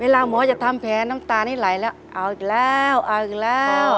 หมอจะทำแผลน้ำตานี่ไหลแล้วเอาอีกแล้วเอาอีกแล้ว